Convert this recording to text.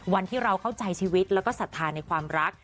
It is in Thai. วันที่เราเข้าใจชีวิตแล้วก็ศรัทธาในความรัก